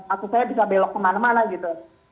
aku saya bisa belok kemana mana gitu